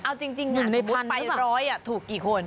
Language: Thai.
เอาจริงอ่ะสมมุติไป๑๐๐ถูกกี่คน